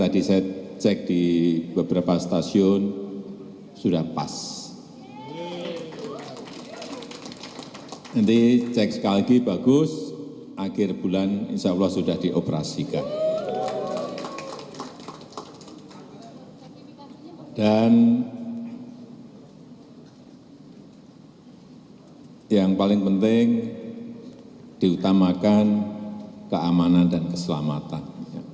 dan yang paling penting diutamakan keamanan dan keselamatan